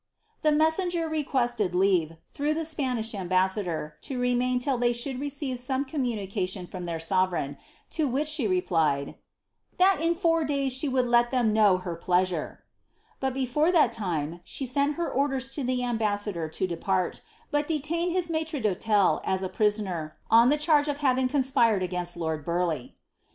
» The messenger requested leave, through the Spanisli ambassador, to remain till ihev should receive some communication from their sove reiffn, to which she replied, *^ that in four days she would let them know her pleasure ;" but before that time, she sent her orders to the ambassador to depart, but detained his maitre d'hotel as a prisoner, on a charge of having conspired against lord Burleigh.